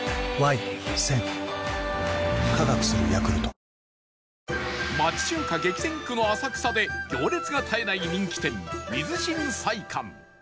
旅はここから町中華激戦区の浅草で行列が絶えない人気店水新菜館